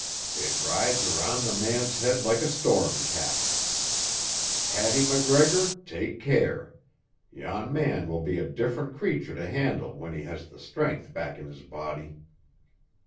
"It rides around the man's head like a storm cap. Hattie MacGregor, take care. Yon man will be a different creature to handle when he has the strength back in his body."